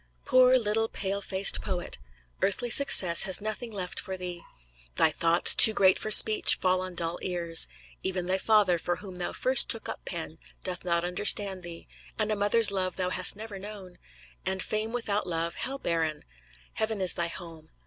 Poor, little, pale faced poet! Earthly success has nothing left for thee! Thy thoughts, too great for speech, fall on dull ears. Even thy father, for whom thou first took up pen, doth not understand thee! and a mother's love thou hast never known. And fame without love how barren! Heaven is thy home.